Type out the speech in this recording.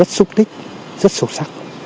rất xúc tích rất sâu sắc